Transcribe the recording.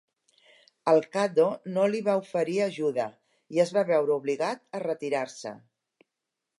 El Caddo no li va oferir ajuda, i es va veure obligat a retirar-se.